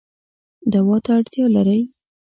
دوا ته اړتیا لرئ